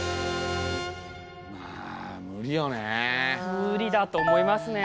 無理だと思いますね。